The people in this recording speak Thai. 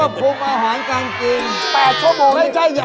เธอดูแลเนี่ยพักผ่อนก็สำคัญ